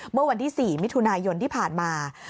เมื่อวันที่๔มิถุนายนที่ผ่านมา